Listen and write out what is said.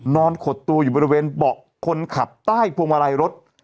นอนขดตูอยู่บริเวณเบาะคนขับใต้พวงวะลายรถ